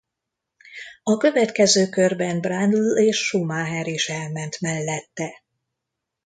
A következő körben Brundle és Schumacher is elment mellette.